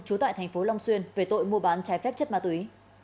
trú tại thành phố long xuyên về tội mua bán trái phép chất ma túy